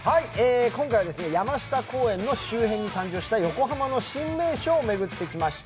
今回は山下公園の周辺に誕生した横浜の新名所を巡ってきました。